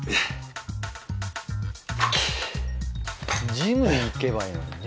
ジム行けばいいのにね。